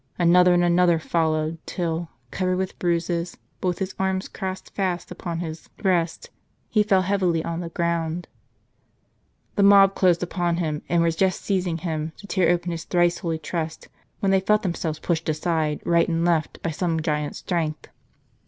Another and another followed, till, covered with bruises, but with his arms crossed fast upon his breast, he fell heavily on the ground. The mob closed upon him, and were just seizing him, to tear open his thrice holy trust, when they felt themselves pushed * A sinus por tans mysteria, a Latiu proverb. aside, right and left, by some giant strength.